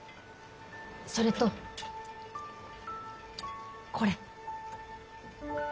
それとこれ。